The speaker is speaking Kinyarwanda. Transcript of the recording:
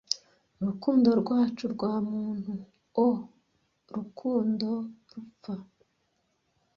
Urukundo rwacu rwa muntu O rukundo rupfa,